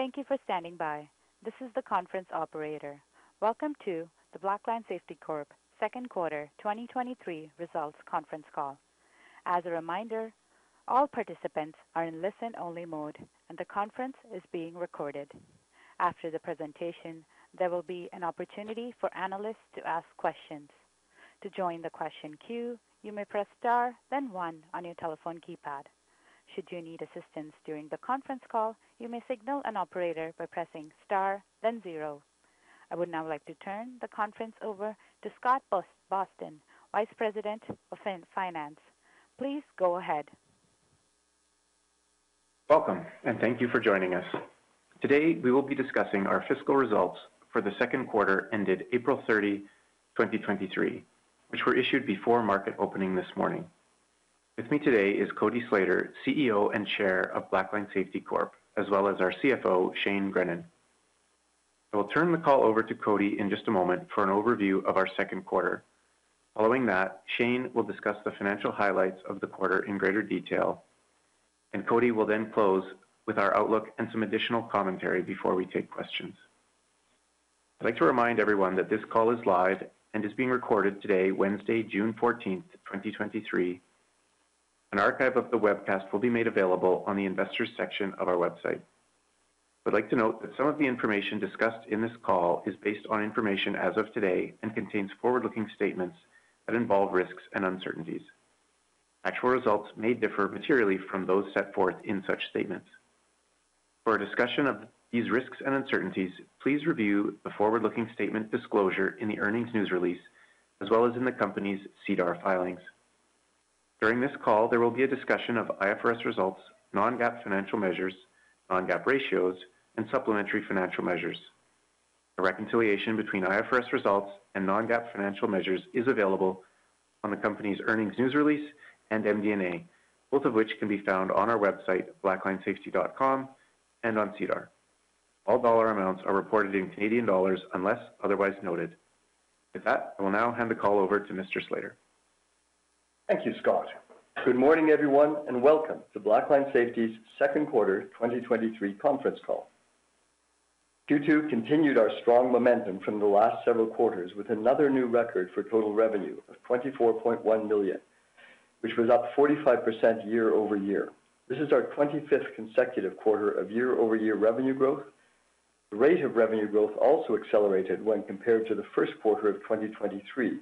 Thank you for standing by. This is the conference operator. Welcome to the Blackline Safety Corp Second Quarter 2023 Results Conference Call. As a reminder, all participants are in listen-only mode, and the conference is being recorded. After the presentation, there will be an opportunity for analysts to ask questions. To join the question queue, you may press Star, then one on your telephone keypad. Should you need assistance during the conference call, you may signal an operator by pressing Star, then zero. I would now like to turn the conference over to Scott Boston, Vice President of Finance. Please go ahead. Welcome. Thank you for joining us. Today, we will be discussing our fiscal results for the second quarter ended April 30, 2023, which were issued before market opening this morning. With me today is Cody Slater, CEO and Chair of Blackline Safety Corp., as well as our CFO, Shane Grennan. I will turn the call over to Cody in just a moment for an overview of our second quarter. Following that, Shane will discuss the financial highlights of the quarter in greater detail, and Cody will then close with our outlook and some additional commentary before we take questions. I'd like to remind everyone that this call is live and is being recorded today, Wednesday, June 14, 2023. An archive of the webcast will be made available on the Investors section of our website. I'd like to note that some of the information discussed in this call is based on information as of today and contains forward-looking statements that involve risks and uncertainties. Actual results may differ materially from those set forth in such statements. For a discussion of these risks and uncertainties, please review the forward-looking statement disclosure in the earnings news release, as well as in the company's SEDAR filings. During this call, there will be a discussion of IFRS results, non-GAAP financial measures, non-GAAP ratios, and supplementary financial measures. A reconciliation between IFRS results and non-GAAP financial measures is available on the company's earnings news release and MD&A, both of which can be found on our website, blacklinesafety.com, and on SEDAR. All dollar amounts are reported in Canadian dollars unless otherwise noted. With that, I will now hand the call over to Mr. Slater. Thank you, Scott. Good morning, everyone, and welcome to Blackline Safety's second quarter 2023 conference call. Q2 continued our strong momentum from the last several quarters with another new record for total revenue of 24.1 million, which was up 45% year-over-year. This is our 25th consecutive quarter of year-over-year revenue growth. The rate of revenue growth also accelerated when compared to the first quarter of 2023,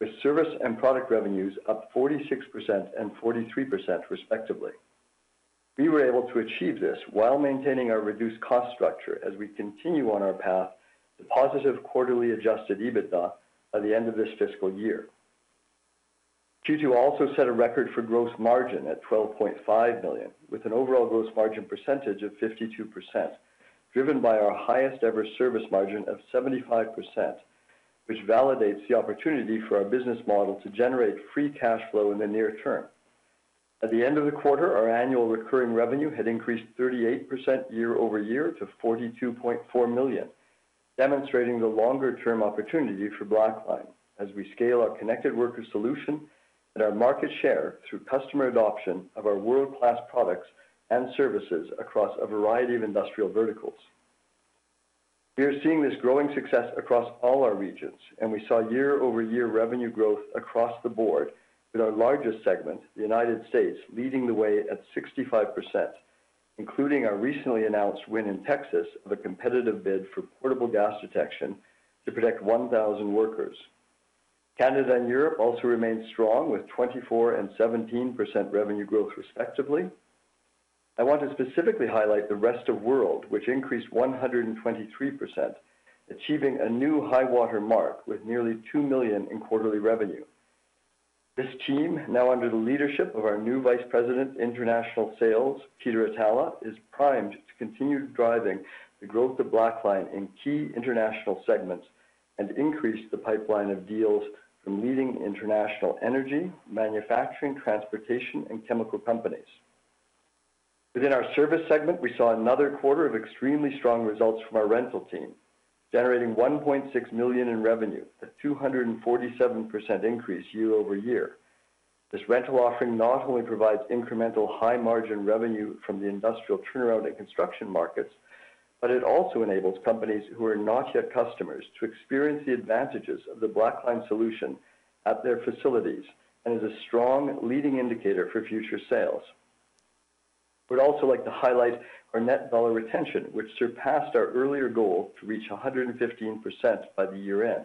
with service and product revenues up 46% and 43%, respectively. We were able to achieve this while maintaining our reduced cost structure as we continue on our path to positive quarterly Adjusted EBITDA by the end of this fiscal year. Q2 also set a record for gross margin at 12.5 million, with an overall gross margin percentage of 52%, driven by our highest ever service margin of 75%, which validates the opportunity for our business model to generate free cash flow in the near term. At the end of the quarter, our annual recurring revenue had increased 38% year-over-year to 42.4 million, demonstrating the longer-term opportunity for Blackline as we scale our connected worker solution and our market share through customer adoption of our world-class products and services across a variety of industrial verticals. We are seeing this growing success across all our regions, and we saw year-over-year revenue growth across the board, with our largest segment, the United States, leading the way at 65%, including our recently announced win in Texas of a competitive bid for portable gas detection to protect 1,000 workers. Canada and Europe also remained strong, with 24% and 17% revenue growth, respectively. I want to specifically highlight the rest of world, which increased 123%, achieving a new high water mark with nearly 2 million in quarterly revenue. This team, now under the leadership of our new Vice President, International Sales, Peter Attalla, is primed to continue driving the growth of Blackline in key international segments and increase the pipeline of deals from leading international energy, manufacturing, transportation, and chemical companies. Within our service segment, we saw another quarter of extremely strong results from our rental team, generating 1.6 million in revenue, a 247% increase year-over-year. This rental offering not only provides incremental high-margin revenue from the industrial turnaround and construction markets, it also enables companies who are not yet customers to experience the advantages of the Blackline solution at their facilities and is a strong leading indicator for future sales. We'd also like to highlight our net dollar retention, which surpassed our earlier goal to reach 115% by the year-end,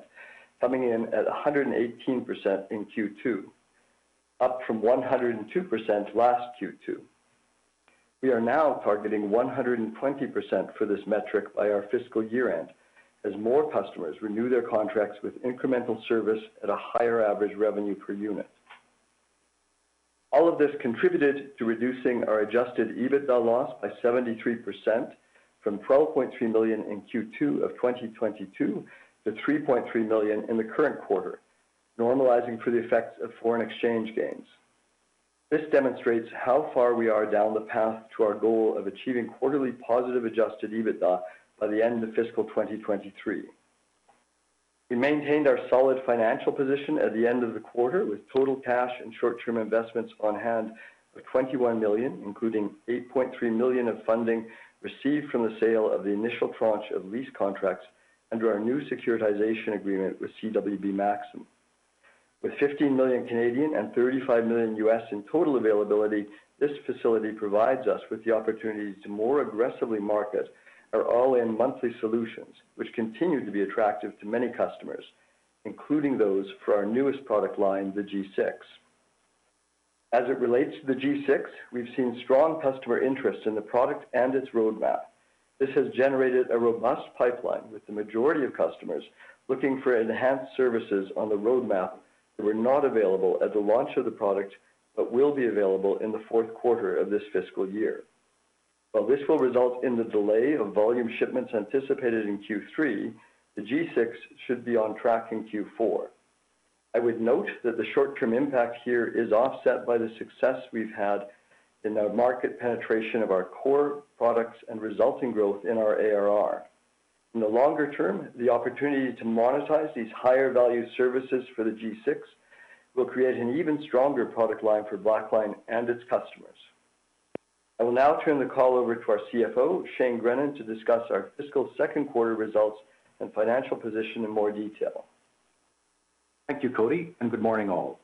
coming in at 118% in Q2, up from 102% last Q2. We are now targeting 120% for this metric by our fiscal year-end, as more customers renew their contracts with incremental service at a higher average revenue per unit. All of this contributed to reducing our Adjusted EBITDA loss by 73%, from 12.3 million in Q2 of 2022 to 3.3 million in the current quarter, normalizing for the effects of foreign exchange gains. This demonstrates how far we are down the path to our goal of achieving quarterly positive Adjusted EBITDA by the end of fiscal 2023. We maintained our solid financial position at the end of the quarter, with total cash and short-term investments on hand of 21 million, including 8.3 million of funding received from the sale of the initial tranche of lease contracts under our new securitization agreement with CWB Maxium. With 15 million and $35 million in total availability, this facility provides us with the opportunity to more aggressively market our all-in monthly solutions, which continue to be attractive to many customers, including those for our newest product line, the G6. As it relates to the G6, we've seen strong customer interest in the product and its roadmap. This has generated a robust pipeline, with the majority of customers looking for enhanced services on the roadmap that were not available at the launch of the product, but will be available in the fourth quarter of this fiscal year. While this will result in the delay of volume shipments anticipated in Q3, the G6 should be on track in Q4. I would note that the short-term impact here is offset by the success we've had in the market penetration of our core products and resulting growth in our ARR. In the longer term, the opportunity to monetize these higher value services for the G6 will create an even stronger product line for Blackline and its customers. I will now turn the call over to our CFO, Shane Grennan, to discuss our fiscal second quarter results and financial position in more detail. Thank you, Cody, and good morning all.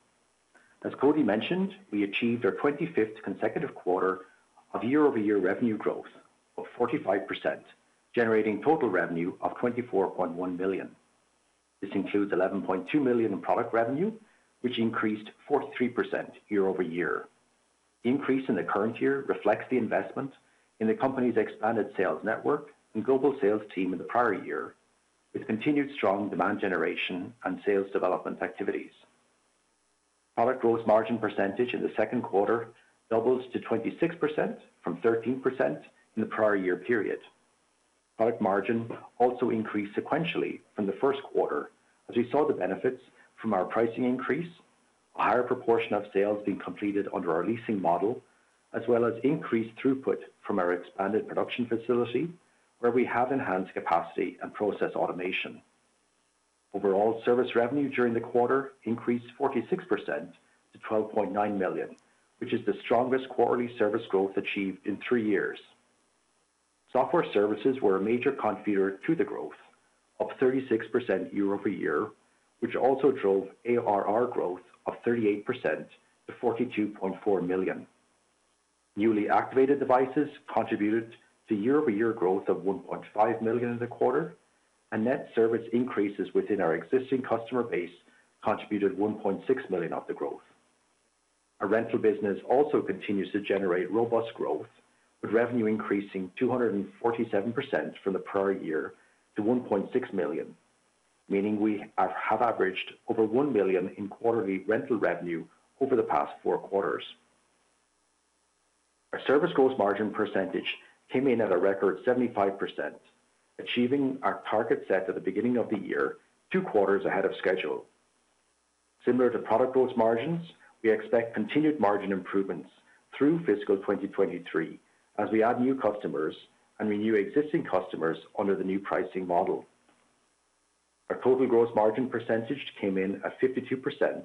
As Cody mentioned, we achieved our 25th consecutive quarter of year-over-year revenue growth of 45%, generating total revenue of 24.1 million. This includes 11.2 million in product revenue, which increased 43% year-over-year. Increase in the current year reflects the investment in the company's expanded sales network and global sales team in the prior year, with continued strong demand generation and sales development activities. Product gross margin percentage in the second quarter doubles to 26% from 13% in the prior year period. Product margin also increased sequentially from the first quarter, as we saw the benefits from our pricing increase, a higher proportion of sales being completed under our leasing model, as well as increased throughput from our expanded production facility, where we have enhanced capacity and process automation. Overall, service revenue during the quarter increased 46% to 12.9 million, which is the strongest quarterly service growth achieved in three years. Software services were a major contributor to the growth, up 36% year-over-year, which also drove ARR growth of 38% to 42.4 million. Newly activated devices contributed to year-over-year growth of 1.5 million in the quarter, and net service increases within our existing customer base contributed 1.6 million of the growth. Our rental business also continues to generate robust growth, with revenue increasing 247% from the prior year to 1.6 million, meaning we have averaged over 1 million in quarterly rental revenue over the past four quarters. Our service gross margin percentage came in at a record 75%, achieving our target set at the beginning of the year, two quarters ahead of schedule. Similar to product gross margins, we expect continued margin improvements through fiscal 2023 as we add new customers and renew existing customers under the new pricing model. Our total gross margin percentage came in at 52%,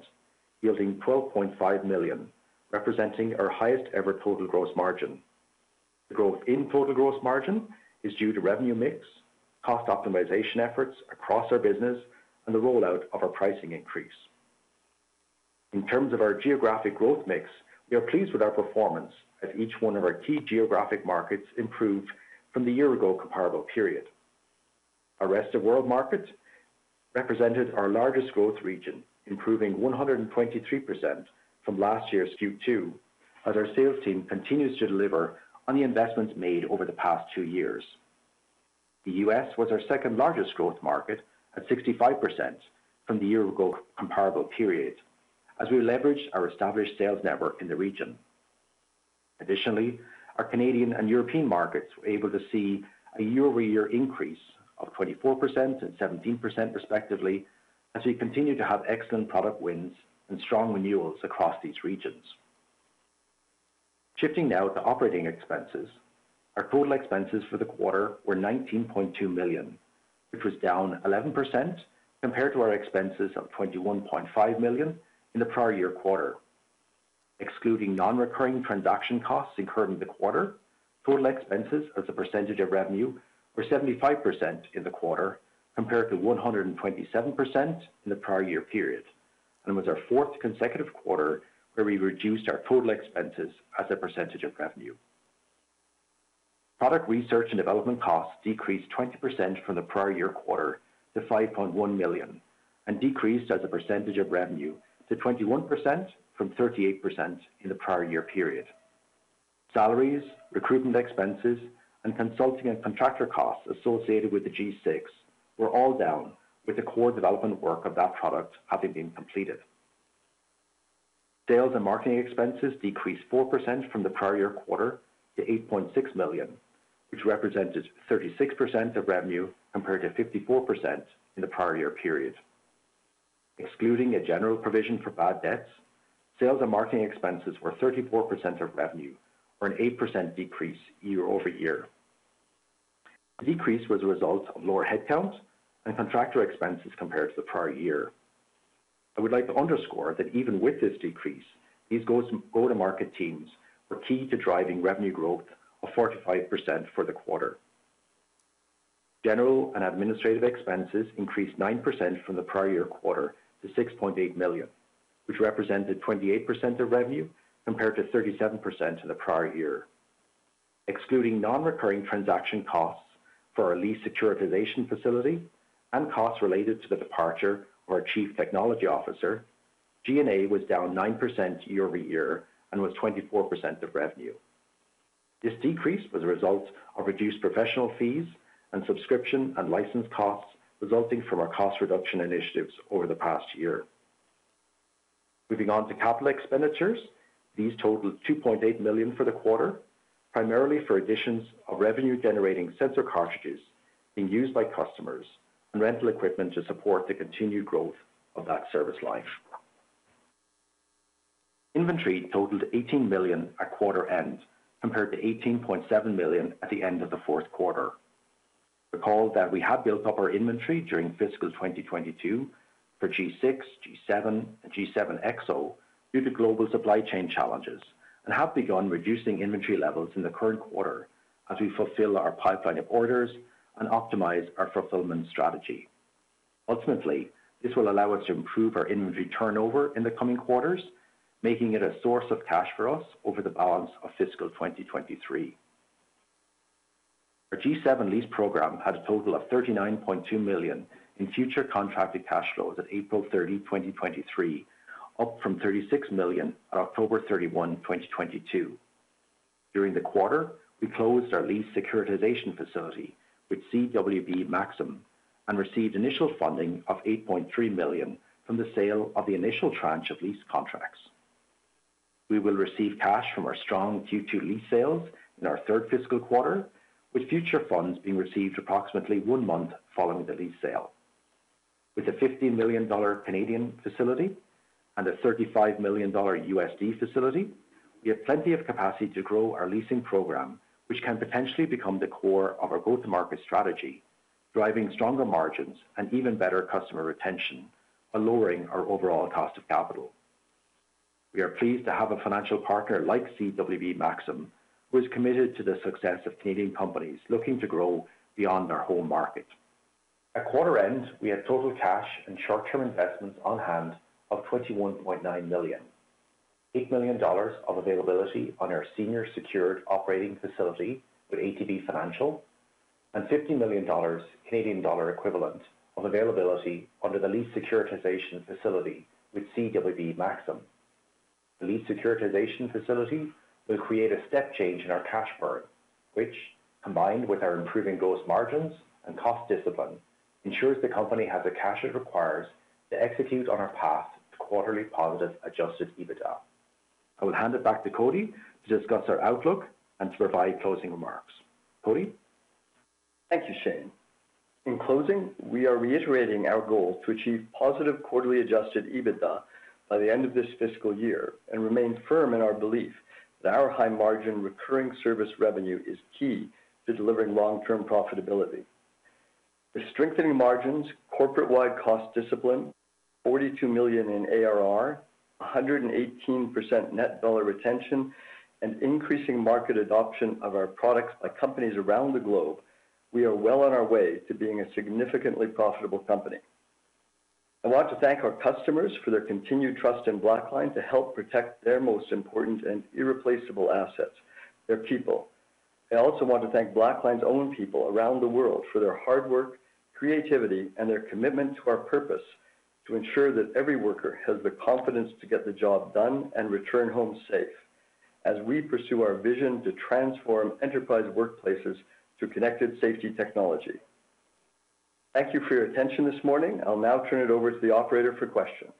yielding 12.5 million, representing our highest ever total gross margin. The growth in total gross margin is due to revenue mix, cost optimization efforts across our business, and the rollout of our pricing increase. In terms of our geographic growth mix, we are pleased with our performance as each one of our key geographic markets improved from the year-ago comparable period. Our rest of world market represented our largest growth region, improving 123% from last year's Q2, as our sales team continues to deliver on the investments made over the past two years. The U.S. was our second largest growth market, at 65% from the year-ago comparable period, as we leveraged our established sales network in the region. Additionally, our Canadian and European markets were able to see a year-over-year increase of 24% and 17% respectively, as we continued to have excellent product wins and strong renewals across these regions. Shifting now to operating expenses. Our total expenses for the quarter were 19.2 million, which was down 11% compared to our expenses of 21.5 million in the prior year quarter. Excluding non-recurring transaction costs incurred in the quarter, total expenses as a percentage of revenue were 75% in the quarter, compared to 127% in the prior year period, and was our 4th consecutive quarter where we reduced our total expenses as a percentage of revenue. Product research and development costs decreased 20% from the prior year quarter to 5.1 million, and decreased as a percentage of revenue to 21% from 38% in the prior year period. Salaries, recruitment expenses, and consulting and contractor costs associated with the G6 were all down, with the core development work of that product having been completed. Sales and marketing expenses decreased 4% from the prior year quarter to 8.6 million, which represented 36% of revenue, compared to 54% in the prior year period. Excluding a general provision for bad debts, sales and marketing expenses were 34% of revenue, or an 8% decrease year-over-year. The decrease was a result of lower headcount and contractor expenses compared to the prior year. I would like to underscore that even with this decrease, these go-to-market teams were key to driving revenue growth of 45% for the quarter. General and administrative expenses increased 9% from the prior year quarter to 6.8 million, which represented 28% of revenue, compared to 37% in the prior year. Excluding non-recurring transaction costs for our lease securitization facility and costs related to the departure of our Chief Technology Officer, G&A was down 9% year-over-year and was 24% of revenue. This decrease was a result of reduced professional fees and subscription and license costs, resulting from our cost reduction initiatives over the past year. Moving on to capital expenditures, these totaled 2.8 million for the quarter, primarily for additions of revenue-generating sensor cartridges being used by customers and rental equipment to support the continued growth of that service life. Inventory totaled 18 million at quarter end, compared to 18.7 million at the end of the fourth quarter. Recall that we have built up our inventory during fiscal 2022 for G6, G7, and G7 EXO due to global supply chain challenges, and have begun reducing inventory levels in the current quarter as we fulfill our pipeline of orders and optimize our fulfillment strategy. Ultimately, this will allow us to improve our inventory turnover in the coming quarters, making it a source of cash for us over the balance of fiscal 2023. Our G7 lease program had a total of 39.2 million in future contracted cash flows at April 30, 2023, up from 36 million on October 31, 2022. During the quarter, we closed our lease securitization facility with CWB Maxium Financial and received initial funding of 8.3 million from the sale of the initial tranche of lease contracts. We will receive cash from our strong Q2 lease sales in our third fiscal quarter, with future funds being received approximately one month following the lease sale. With a 50 million Canadian dollars facility and a $35 million facility, we have plenty of capacity to grow our leasing program, which can potentially become the core of our go-to-market strategy, driving stronger margins and even better customer retention, while lowering our overall cost of capital. We are pleased to have a financial partner like CWB Maxium, who is committed to the success of Canadian companies looking to grow beyond their home market. At quarter end, we had total cash and short-term investments on hand of 21.9 million, 8 million dollars of availability on our senior secured operating facility with ATB Financial, and 50 million Canadian dollars, Canadian dollar equivalent, of availability under the lease securitization facility with CWB Maxium. The lease securitization facility will create a step change in our cash burn, which, combined with our improving gross margins and cost discipline, ensures the company has the cash it requires to execute on our path to quarterly positive Adjusted EBITDA. I will hand it back to Cody to discuss our outlook and to provide closing remarks. Cody? Thank you, Shane. In closing, we are reiterating our goal to achieve positive quarterly Adjusted EBITDA by the end of this fiscal year and remain firm in our belief that our high margin recurring service revenue is key to delivering long-term profitability. With strengthening margins, corporate-wide cost discipline, 42 million in ARR, 118% net dollar retention, and increasing market adoption of our products by companies around the globe, we are well on our way to being a significantly profitable company. I want to thank our customers for their continued trust in Blackline Safety to help protect their most important and irreplaceable assets, their people. I also want to thank Blackline's own people around the world for their hard work, creativity, and their commitment to our purpose to ensure that every worker has the confidence to get the job done and return home safe, as we pursue our vision to transform enterprise workplaces through connected safety technology. Thank you for your attention this morning. I'll now turn it over to the operator for questions.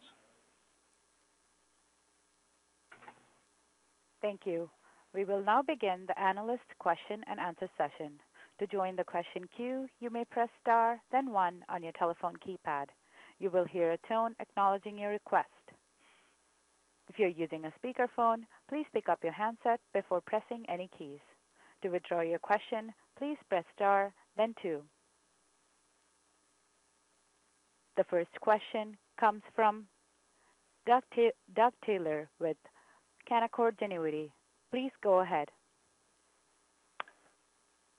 Thank you. We will now begin the analyst question-and-answer session. To join the question queue, you may press star, then one on your telephone keypad. You will hear a tone acknowledging your request. If you're using a speakerphone, please pick up your handset before pressing any keys. To withdraw your question, please press star then two. The first question comes from Doug Taylor with Canaccord Genuity. Please go ahead.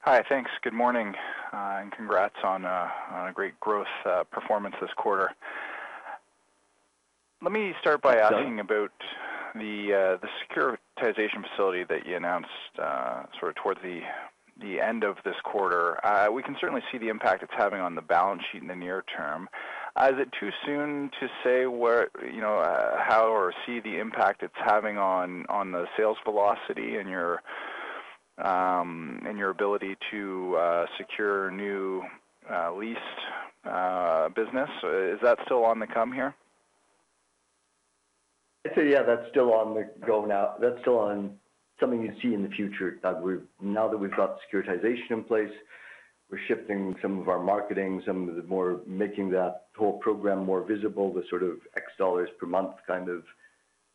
Hi, thanks. Good morning. Congrats on a great growth performance this quarter. Let me start by asking about the securitization facility that you announced sort of towards the end of this quarter. We can certainly see the impact it's having on the balance sheet in the near term. Is it too soon to say you know, how or see the impact it's having on the sales velocity and your ability to secure new leased business? Is that still on the come here?... I'd say, yeah, that's still on the going out. That's still on something you'd see in the future, that now that we've got securitization in place, we're shifting some of our marketing, some of the more making that whole program more visible, the sort of X dollars per month kind of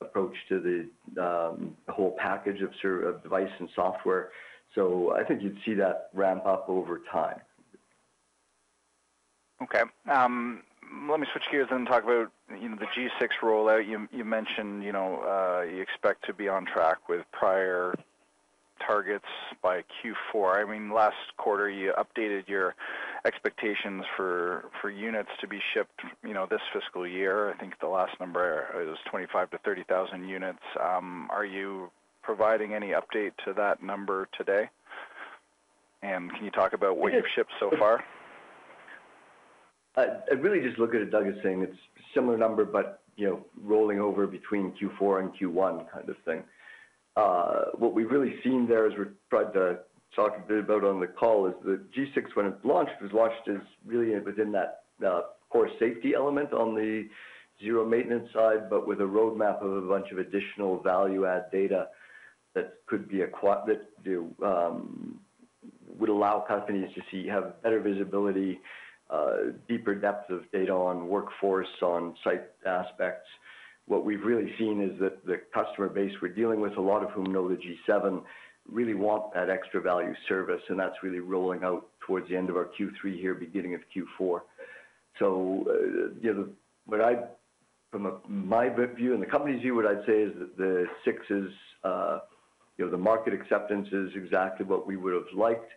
approach to the whole package of device and software. I think you'd see that ramp up over time. Okay. Let me switch gears and talk about, you know, the G6 rollout. You mentioned, you know, you expect to be on track with prior targets by Q4. I mean, last quarter, you updated your expectations for units to be shipped, you know, this fiscal year. I think the last number is 25,000 units-30,000 units. Are you providing any update to that number today? Can you talk about what you've shipped so far? I'd really just look at it, Doug, as saying it's similar number, but, you know, rolling over between Q4 and Q1 kind of thing. What we've really seen there, as we tried to talk a bit about on the call, is the G6, when it launched, was launched as really within that core safety element on the zero maintenance side, but with a roadmap of a bunch of additional value add data that could be that would allow companies to see, have better visibility, deeper depth of data on workforce, on site aspects. What we've really seen is that the customer base we're dealing with, a lot of whom know the G7, really want that extra value service, and that's really rolling out towards the end of our Q3 here, beginning of Q4. You know, from my view and the company's view, what I'd say is that the six is, you know, the market acceptance is exactly what we would have liked,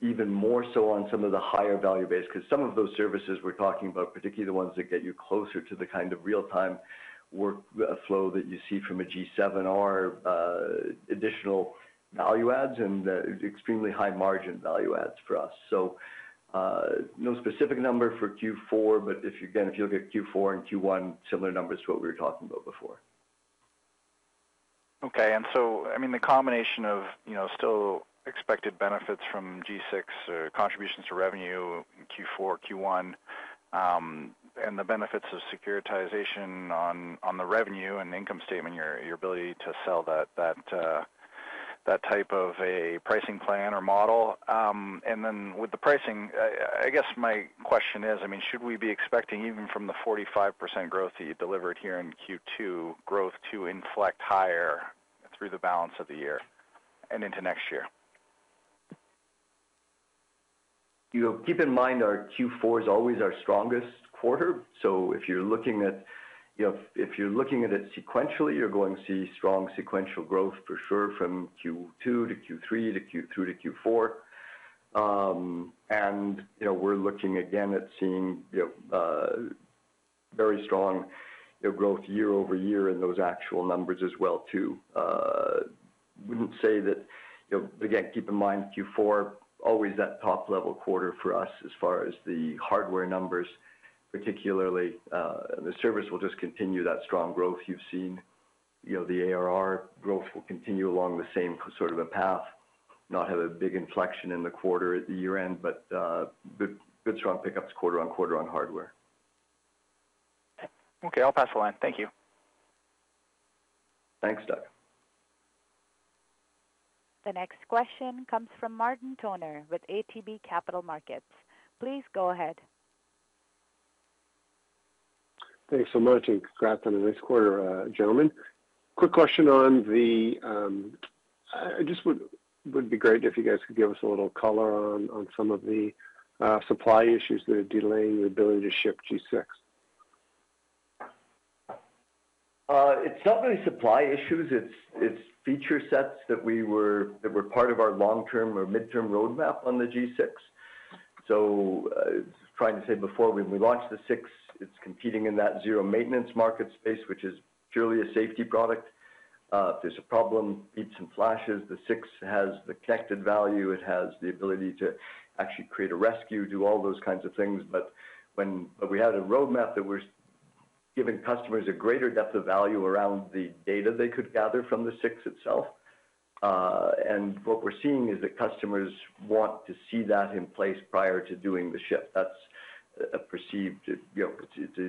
even more so on some of the higher value base, 'cause some of those services we're talking about, particularly the ones that get you closer to the kind of real-time work flow that you see from a G7R, additional value adds, and extremely high margin value adds for us. No specific number for Q4, but if you again, if you look at Q4 and Q1, similar numbers to what we were talking about before. I mean, the combination of, you know, still expected benefits from G6, contributions to revenue in Q4, Q1, and the benefits of securitization on the revenue and income statement, your ability to sell that type of a pricing plan or model. With the pricing, I guess my question is, I mean, should we be expecting, even from the 45% growth that you delivered here in Q2, growth to inflect higher through the balance of the year and into next year? You know, keep in mind, our Q4 is always our strongest quarter. If you're looking at, you know, if you're looking at it sequentially, you're going to see strong sequential growth for sure from Q2 - Q3 - Q4. You know, we're looking again at seeing, you know, very strong, you know, growth year-over-year in those actual numbers as well, too. Wouldn't say that. You know, again, keep in mind, Q4, always that top level quarter for us as far as the hardware numbers, particularly, the service will just continue that strong growth you've seen. You know, the ARR growth will continue along the same sort of a path, not have a big inflection in the quarter at the year-end, but good strong pickups quarter-on-quarter on hardware. Okay. I'll pass the line. Thank you. Thanks, Doug. The next question comes from Martin Toner with ATB Capital Markets. Please go ahead. Thanks so much, and congrats on a nice quarter, gentlemen. Just would be great if you guys could give us a little color on some of the supply issues that are delaying the ability to ship G6. It's not really supply issues, it's feature sets that were part of our long-term or midterm roadmap on the G6. Trying to say before, when we launched the six, it's competing in that zero maintenance market space, which is purely a safety product. If there's a problem, beeps and flashes, the six has the connected value. It has the ability to actually create a rescue, do all those kinds of things. We had a roadmap that was giving customers a greater depth of value around the data they could gather from the six itself. What we're seeing is that customers want to see that in place prior to doing the ship. That's a perceived, you know,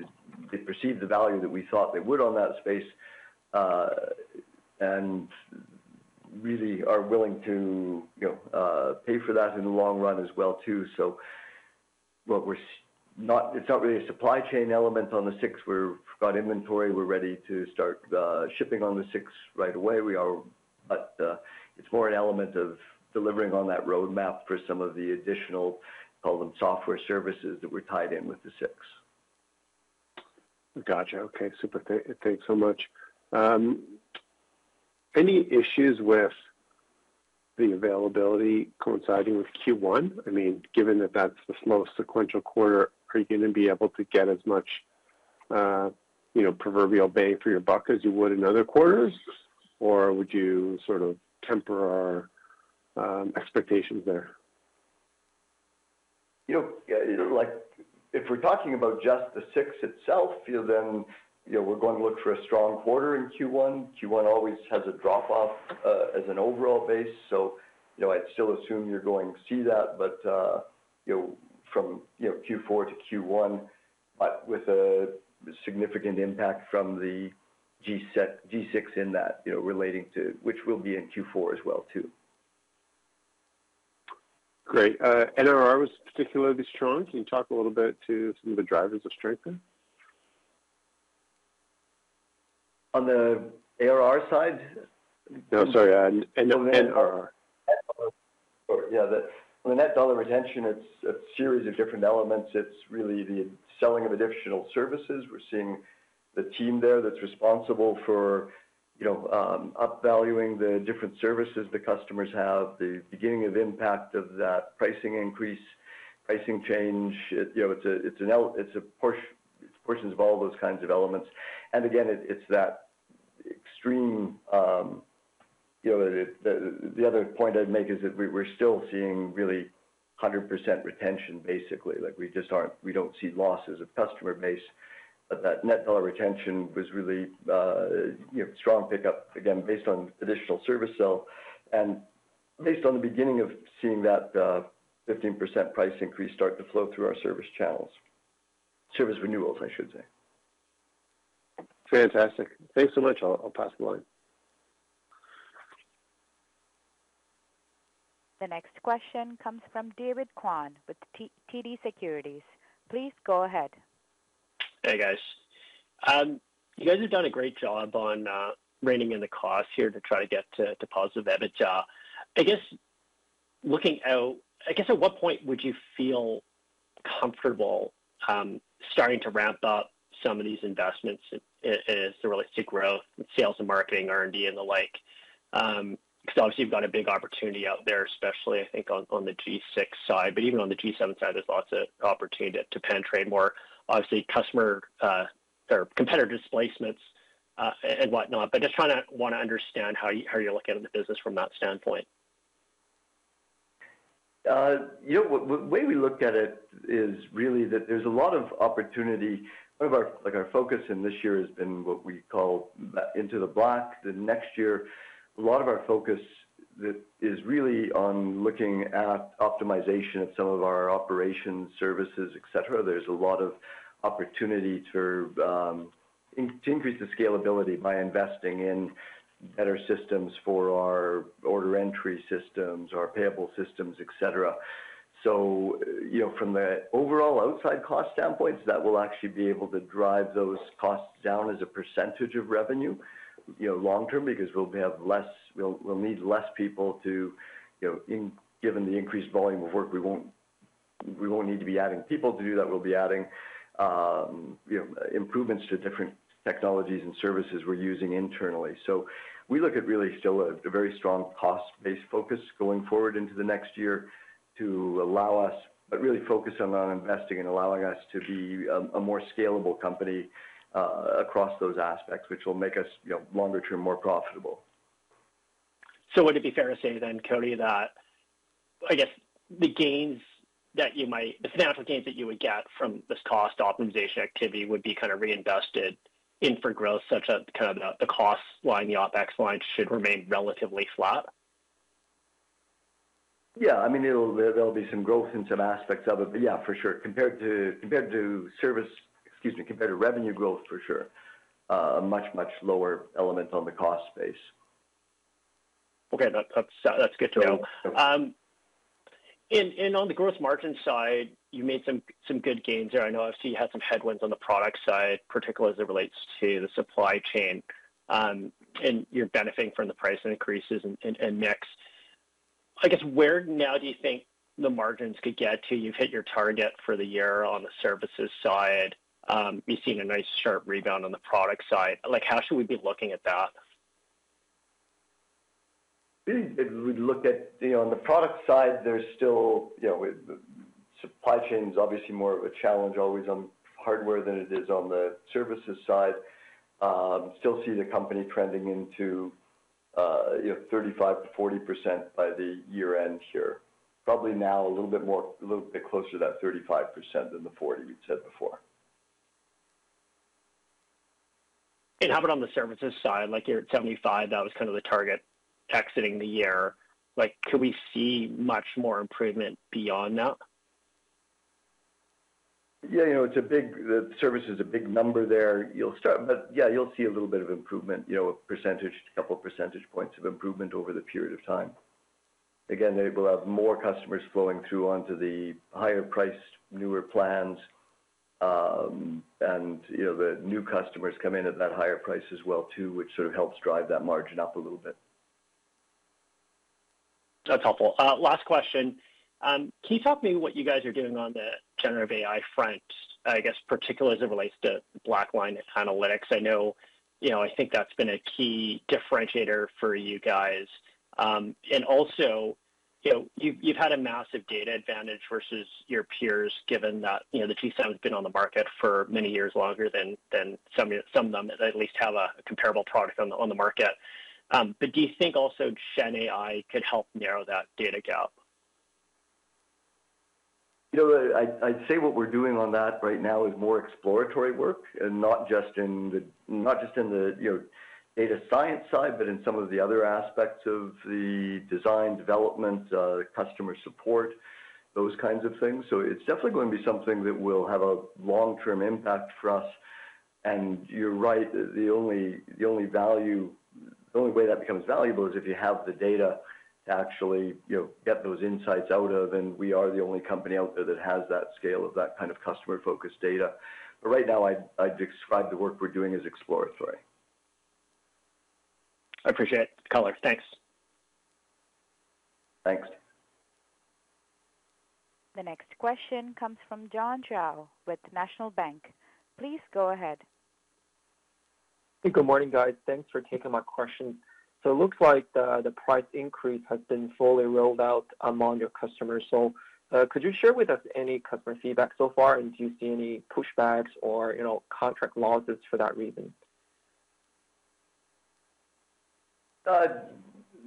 they perceived the value that we thought they would on that space, and really are willing to, you know, pay for that in the long run as well, too. It's not really a supply chain element on the G6. We've got inventory, we're ready to start shipping on the G6 right away. It's more an element of delivering on that roadmap for some of the additional, call them, software services that were tied in with the G6. Gotcha. Okay, super. Thanks so much. Any issues with the availability coinciding with Q1? I mean, given that that's the slowest sequential quarter, are you going to be able to get as much, you know, proverbial bang for your buck as you would in other quarters? Would you sort of temper our expectations there? You know, like if we're talking about just the G6 itself, you know, you know, we're going to look for a strong quarter in Q1. Q1 always has a drop-off as an overall base. You know, I'd still assume you're going to see that, but, you know, from, you know, Q4-Q1, but with a significant impact from the G6 in that, you know, relating to, which will be in Q4 as well, too. Great. NRR was particularly strong. Can you talk a little bit to some of the drivers of strength there? On the ARR side? No, sorry, NRR. Yeah, on the net dollar retention, it's a series of different elements. It's really the selling of additional services. We're seeing the team there that's responsible for, you know, upvaluing the different services the customers have, the beginning of impact of that pricing increase, pricing change. You know, it's a, it's a portion, it's portions of all those kinds of elements. Again, it's that extreme, you know. The other point I'd make is that we're still seeing really 100% retention, basically. Like, we don't see losses of customer base. That net dollar retention was really, you know, strong pickup, again, based on additional service sale, and based on the beginning of seeing that 15% price increase start to flow through our service channels. Service renewals, I should say. Fantastic. Thanks so much. I'll pass the line. The next question comes from David Kwan with TD Securities. Please go ahead. Hey, guys. You guys have done a great job on reining in the costs here to try to get to positive EBITDA. I guess, looking out, I guess, at what point would you feel comfortable starting to ramp up some of these investments as to really see growth in sales and marketing, R&D, and the like? Because obviously you've got a big opportunity out there, especially, I think on the G6 side, but even on the G7 side, there's lots of opportunity to penetrate more, obviously, customer or competitor displacements, and whatnot. Just want to understand how you, how you're looking at the business from that standpoint. You know, the way we look at it is really that there's a lot of opportunity. Like, our focus in this year has been what we call, in the black. The next year, a lot of our focus that is really on looking at optimization of some of our operations, services, et cetera. There's a lot of opportunity to increase the scalability by investing in better systems for our order entry systems, our payable systems, et cetera. You know, from the overall outside cost standpoint, that will actually be able to drive those costs down as a percentage of revenue, you know, long term, because we'll need less people to, you know, given the increased volume of work, we won't need to be adding people to do that. We'll be adding, you know, improvements to different technologies and services we're using internally. We look at really still a very strong cost-based focus going forward into the next year to allow us, but really focus on investing and allowing us to be a more scalable company across those aspects, which will make us, you know, longer term, more profitable. Would it be fair to say then, Cody, that, I guess, the financial gains that you would get from this cost optimization activity would be kind of reinvested in for growth, such that kind of the cost line, the OpEx line, should remain relatively flat? Yeah. I mean, there will be some growth in some aspects of it. Yeah, for sure. Compared to revenue growth, for sure, a much lower element on the cost base. Okay. That, that's good to know. Yeah. On the growth margin side, you made some good gains there. I know obviously you had some headwinds on the product side, particularly as it relates to the supply chain, and you're benefiting from the price increases and next. I guess, where now do you think the margins could get to? You've hit your target for the year on the services side. We've seen a nice sharp rebound on the product side. Like, how should we be looking at that? If we looked at, you know, on the product side, there's still, you know, supply chain is obviously more of a challenge always on hardware than it is on the services side. Still see the company trending into, you know, 35%-40% by the year-end here. Probably now a little bit closer to that 35% than the 40% we've said before. How about on the services side? Like, you're at 75%, that was kind of the target exiting the year. Like, could we see much more improvement beyond that? You know, the service is a big number there. You'll see a little bit of improvement, you know, a percentage, a couple percentage points of improvement over the period of time. Again, it will have more customers flowing through onto the higher priced, newer plans. You know, the new customers come in at that higher price as well, too, which sort of helps drive that margin up a little bit. That's helpful. Last question. Can you talk to me what you guys are doing on the generative AI front? I guess, particularly as it relates to Blackline and analytics. I know, you know, I think that's been a key differentiator for you guys. Also, you know, you've had a massive data advantage versus your peers, given that, you know, the G7 has been on the market for many years longer than some of them at least have a comparable product on the market. Do you think also GenAI could help narrow that data gap? You know, I'd say what we're doing on that right now is more exploratory work, and not just in the, you know data science side, but in some of the other aspects of the design, development, customer support, those kinds of things. It's definitely going to be something that will have a long-term impact for us. You're right, the only way that becomes valuable is if you have the data to actually, you know, get those insights out of, and we are the only company out there that has that scale of that kind of customer-focused data. Right now, I'd describe the work we're doing as exploratory. I appreciate the color. Thanks. Thanks. The next question comes from John Shao with National Bank. Please go ahead. Good morning, guys. Thanks for taking my question. It looks like the price increase has been fully rolled out among your customers. Could you share with us any customer feedback so far, and do you see any pushbacks or, you know, contract losses for that reason?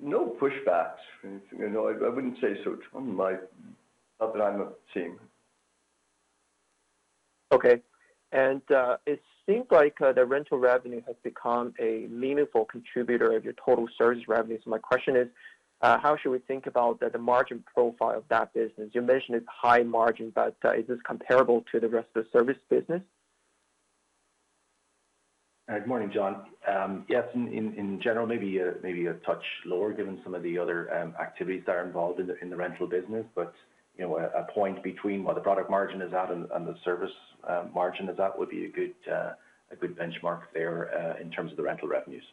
No pushbacks. You know, I wouldn't say so, John. Not that I'm seeing. Okay. It seems like the rental revenue has become a meaningful contributor of your total service revenue. My question is, how should we think about the margin profile of that business? You mentioned it's high margin, but, is this comparable to the rest of the service business? Good morning, John. Yes, in general, maybe a touch lower, given some of the other activities that are involved in the rental business. You know, a point between what the product margin is at and the service margin is at, would be a good benchmark there in terms of the rental revenues.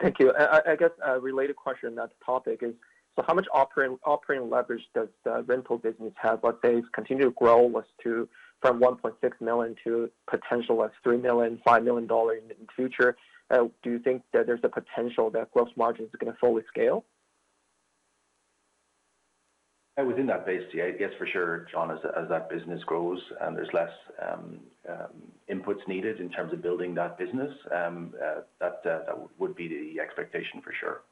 Thank you. I guess a related question on that topic is, how much operating leverage does the rental business have? They've continued to grow as to from 1.6 million to potentially, like, 3 million, 5 million dollars in the future. Do you think that there's a potential that gross margins are going to fully scale? Yeah, within that base, yeah. Yes, for sure, John. As that business grows, and there's less inputs needed in terms of building that business, that would be the expectation for sure.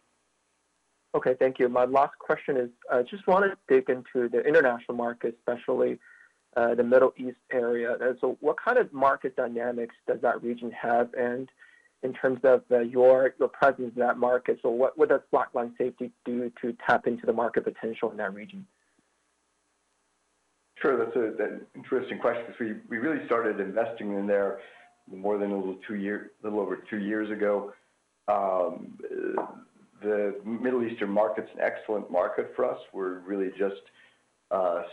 Okay, thank you. My last question is, I just wanted to dig into the international market, especially, the Middle East area. What kind of market dynamics does that region have? In terms of your presence in that market, what does Blackline Safety do to tap into the market potential in that region? Sure. That's an interesting question. We really started investing in there more than a little over two years ago. The Middle Eastern market's an excellent market for us. We're really just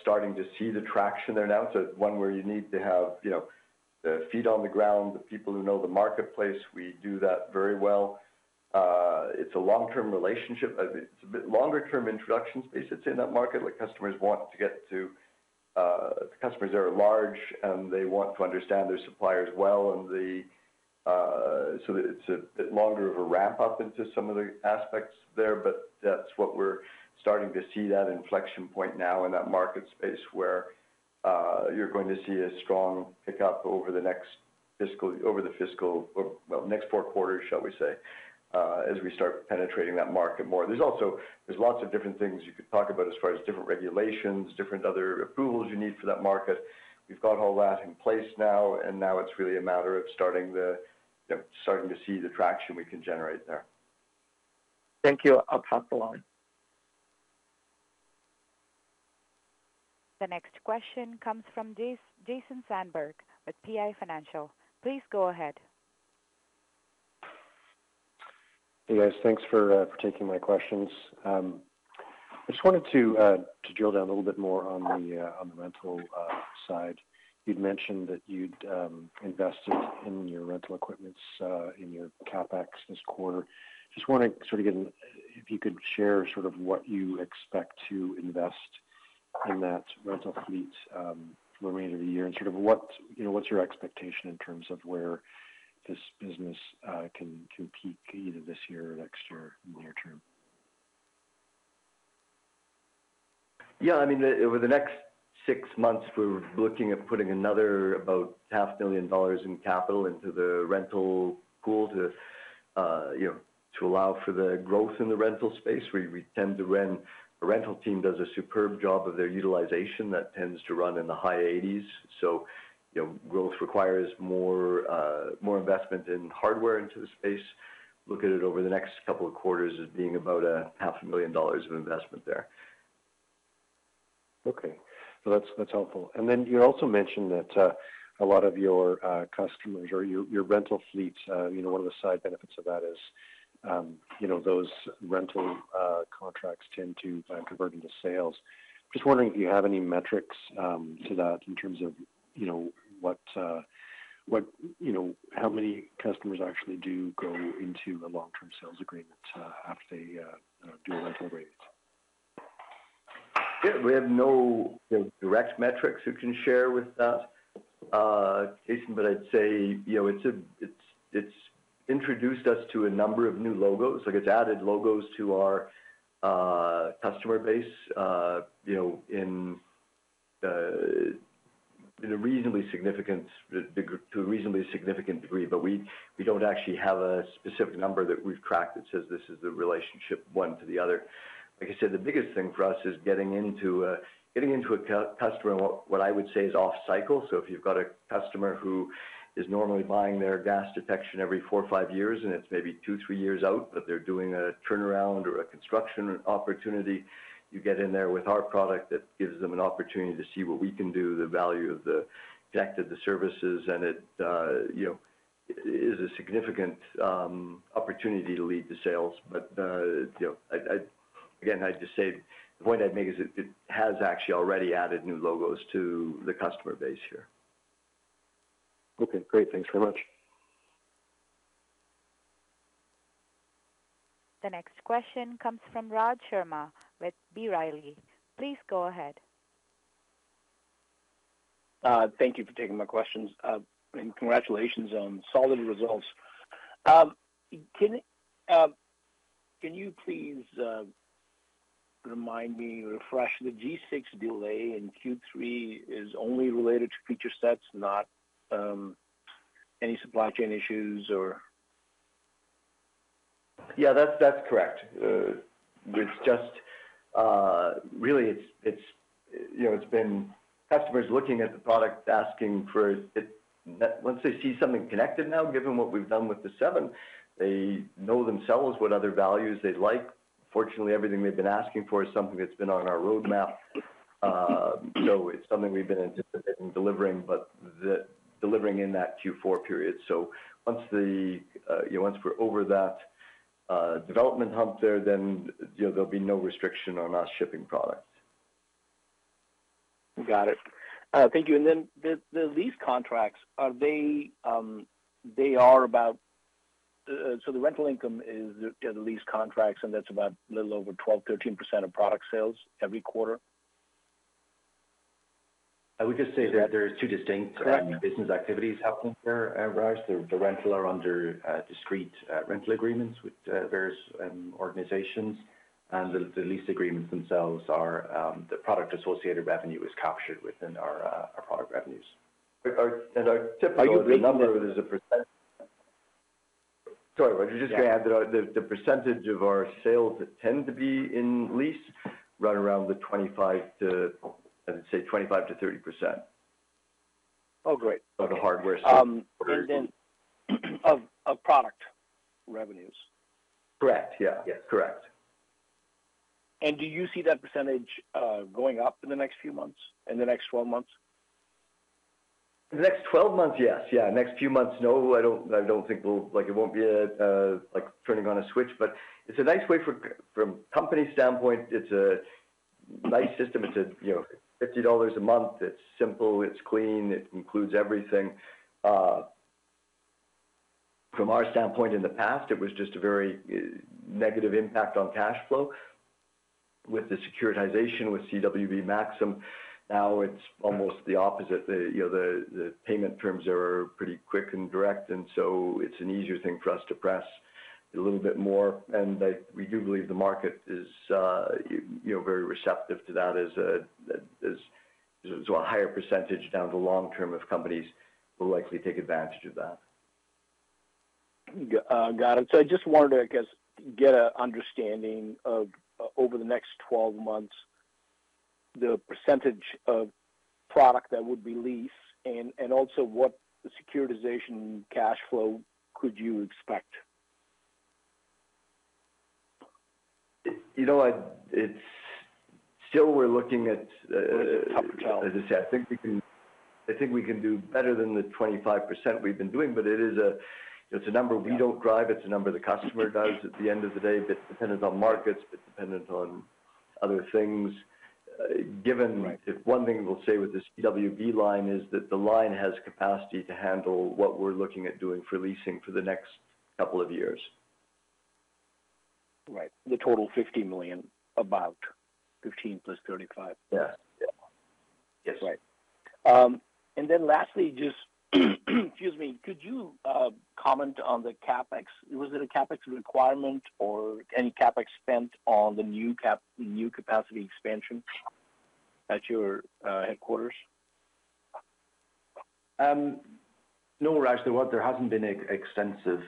starting to see the traction there now. One where you need to have, you know, feet on the ground, the people who know the marketplace. We do that very well. It's a long-term relationship. It's a bit longer term introduction space that's in that market, like, customers want to get to. The customers are large, and they want to understand their suppliers well, and the, so it's a bit longer of a ramp-up into some of the aspects there, but that's what we're starting to see, that inflection point now in that market space where, you're going to see a strong pickup over the next fiscal over the fiscal, or, well, next four quarters, shall we say, as we start penetrating that market more. There's also. There's lots of different things you could talk about as far as different regulations, different other approvals you need for that market. We've got all that in place now, and now it's really a matter of starting the, you know, starting to see the traction we can generate there. Thank you. I'll pass along. The next question comes from Jason Zandberg with PI Financial. Please go ahead. Hey, guys. Thanks for taking my questions. I just wanted to drill down a little bit more on the, on the rental, side. You'd mentioned that you'd invested in your rental equipments, in your CapEx this quarter. Just wanted to sort of If you could share sort of what you expect to invest in that rental fleet, for the remainder of the year, and sort of what, you know, what's your expectation in terms of where this business can peak either this year or next year in the near term? Yeah, I mean, over the next six months, we're looking at putting another about half million dollars in capital into the rental pool to, you know, to allow for the growth in the rental space. We tend to rent. The rental team does a superb job of their utilization. That tends to run in the high 80s. You know, growth requires more investment in hardware into the space. Look at it over the next couple of quarters as being about a half a million dollars of investment there. That's helpful. You also mentioned that a lot of your customers or your rental fleets, you know, one of the side benefits of that is, you know, those rental contracts tend to convert into sales. Just wondering if you have any metrics to that in terms of, you know, what, you know, how many customers actually do go into a long-term sales agreement after they do a rental rate? We have no direct metrics we can share with that, Jason, but I'd say, you know, it's introduced us to a number of new logos. Like, it's added logos to our customer base, you know, in a reasonably significant, to a reasonably significant degree, but we don't actually have a specific number that we've tracked that says this is the relationship, one to the other. Like I said, the biggest thing for us is getting into a, getting into a customer, what I would say is off cycle. If you've got a customer who is normally buying their gas detection every 4 years or five years, and it's maybe two years, three years out, but they're doing a turnaround or a construction opportunity, you get in there with our product, that gives them an opportunity to see what we can do, the value of the deck, of the services, and it, you know, is a significant opportunity to lead to sales. You know, I, again, I just say, the point I'd make is it has actually already added new logos to the customer base here. Okay, great. Thanks very much. The next question comes from Raj Sharma with B. Riley. Please go ahead. Thank you for taking my questions. Congratulations on solid results. Can you please remind me, refresh the G6 delay in Q3 is only related to feature sets, not any supply chain issues or? Yeah, that's correct. It's just really, you know, it's been customers looking at the product, asking for it. Once they see something connected now, given what we've done with the seven, they know themselves what other values they'd like. Fortunately, everything they've been asking for is something that's been on our roadmap. It's something we've been anticipating delivering, but the delivering in that Q4 period. Once the, once we're over that development hump there, then, you know, there'll be no restriction on us shipping products. Got it. Thank you. The lease contracts, are they? The rental income is the lease contracts, and that's about a little over 12%, 13% of product sales every quarter? I would just say that there are two distinct- Correct. Business activities happening there, Raj. The rental are under discrete rental agreements with various organizations. The lease agreements themselves are the product-associated revenue is captured within our product revenues. Our, and our typical number is a percent. Sorry, Raj, I was just gonna add that the percentage of our sales that tend to be in lease run around, I'd say 25%-30%. Oh, great. Of the hardware sales. Then of product revenues? Correct. Yeah, correct. Do you see that percentage going up in the next few months, in the next 12 months? The next 12 months, yes. Yeah. Next few months, no, I don't, I don't think we'll like, it won't be a like, turning on a switch, but it's a nice way from company standpoint, it's a nice system. It's a, you know, 50 dollars a month. It's simple, it's clean, it includes everything. From our standpoint in the past, it was just a very negative impact on cash flow. With the securitization, with CWB Maxium, now it's almost the opposite. The, you know, the payment terms are pretty quick and direct, it's an easier thing for us to press a little bit more. We do believe the market is, you know, very receptive to that, as as a higher percentage now, the long term of companies will likely take advantage of that. got it. I just wanted to, I guess, get a understanding of over the next 12 months, the % of product that would be lease and also what the securitization cash flow could you expect? You know what? It's still we're looking at... Tough to tell. As I said, I think we can, I think we can do better than the 25% we've been doing, but it is a, it's a number we don't drive. It's a number the customer does. At the end of the day, it's dependent on markets, it's dependent on other things. Right. If one thing we'll say with this CWB line is that the line has capacity to handle what we're looking at doing for leasing for the next couple of years. Right. The total $50 million, about $15 plus $35? Yeah. Yeah. Yes. Right. Then lastly, just, excuse me, could you comment on the CapEx? Was it a CapEx requirement or any CapEx spent on the new capacity expansion at your headquarters? No, Raj, there was, there hasn't been extensive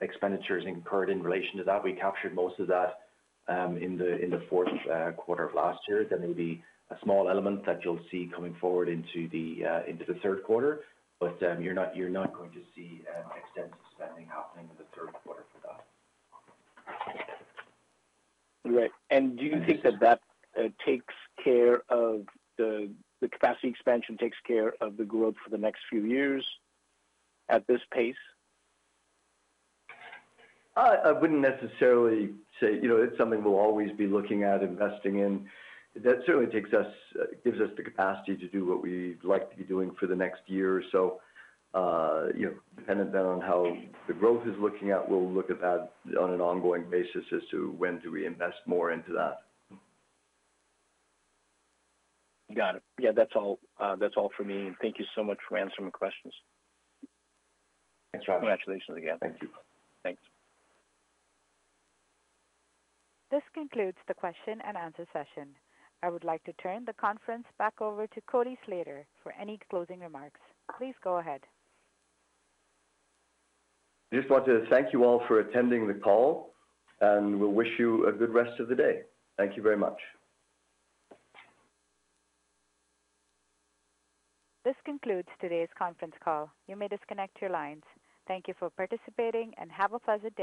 expenditures incurred in relation to that. We captured most of that in the fourth quarter of last year. There may be a small element that you'll see coming forward into the third quarter, but you're not going to see extensive spending happening in the third quarter for that. Right. Do you think that that takes care of the capacity expansion takes care of the growth for the next few years at this pace? I wouldn't necessarily say, you know, it's something we'll always be looking at investing in. That certainly takes us, gives us the capacity to do what we'd like to be doing for the next year or so. You know, dependent then on how the growth is looking at, we'll look at that on an ongoing basis as to when do we invest more into that. Got it. Yeah, that's all. That's all for me. Thank you so much for answering my questions. Thanks, Raj. Congratulations again. Thank you. Thanks. This concludes the question and answer session. I would like to turn the conference back over to Cody Slater for any closing remarks. Please go ahead. Just want to thank you all for attending the call, and we wish you a good rest of the day. Thank you very much. This concludes today's conference call. You may disconnect your lines. Thank you for participating, and have a pleasant day.